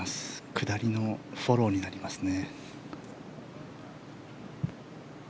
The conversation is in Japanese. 下りのフォローになりますね。